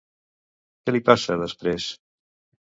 Què li passa després?